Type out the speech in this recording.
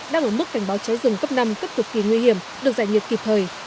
đang ở mức cảnh báo cháy rừng cấp năm cấp cực kỳ nguy hiểm được giải nhiệt kịp thời